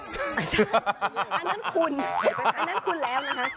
อันนั้นคุณอันนั้นคุณแล้วนะคะ